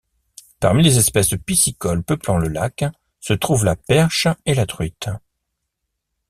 Parmi les espèces piscicoles peuplant le lac se trouve la perche et la truite.